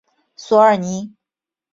索尔尼。